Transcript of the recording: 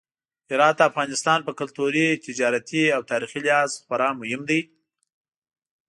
هرات د افغانستان په کلتوري، تجارتي او تاریخي لحاظ خورا مهم دی.